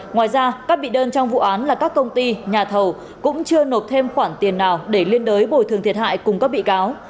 ngoài ra các bị đơn trong vụ án là các công ty nhà thầu cũng chưa nộp thêm khoản tiền nào để liên đới bồi thường thiệt hại cùng các bị cáo